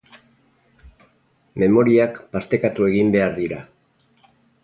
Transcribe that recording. Memoriak partekatu egin behar dira.